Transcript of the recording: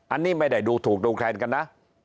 อันนี้ไม่ได้ดูถูกดูแคลนกันนะ